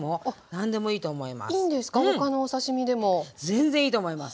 全然いいと思います。